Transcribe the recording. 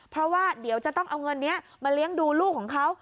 เพราะว่าเดี๋ยวจะต้องเอาเงินนี้มาเลี้ยงดูลูกของเขา